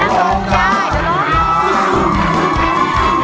ระวังจะร้องนังบอนนังบุญญ่าย